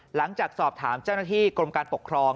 หลังจากสอบถามเจ้าหน้าที่กรมการปกครอง